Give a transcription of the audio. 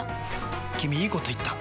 君いいこと言った！